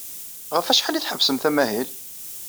Ɣef wacḥal ay tḥebbsemt amahil?